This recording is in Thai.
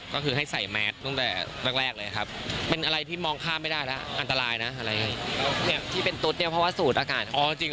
อ๋อจริงเหรอ